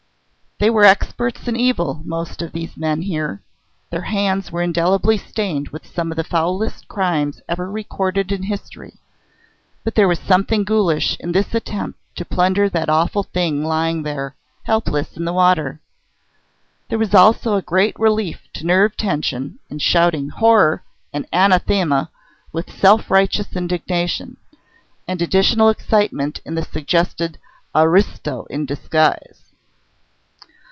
They were experts in evil, most of these men here. Their hands were indelibly stained with some of the foulest crimes ever recorded in history. But there was something ghoulish in this attempt to plunder that awful thing lying there, helpless, in the water. There was also a great relief to nerve tension in shouting Horror and Anathema with self righteous indignation; and additional excitement in the suggested "aristo in disguise."